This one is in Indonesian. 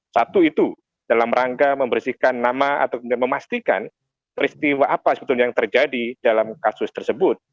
satu itu dalam rangka membersihkan nama atau memastikan peristiwa apa sebetulnya yang terjadi dalam kasus tersebut